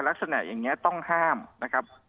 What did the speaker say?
ลักษณะอย่างนี้ต้องห้ามนะครับ